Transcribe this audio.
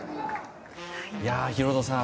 ヒロドさん